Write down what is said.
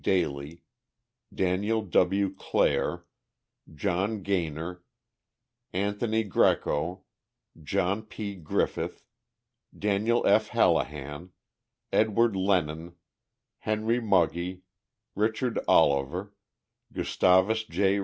Daly, Daniel W. Clare, John Gaynor, Anthony Grieco, John P. Griffith, Daniel F. Hallihan, Edward Lennon, Henry Mugge, Richard Oliver, Gustavus J.